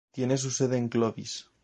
Tiene su sede en Clovis.